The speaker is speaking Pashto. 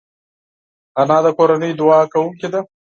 انا د کورنۍ دعا کوونکې ده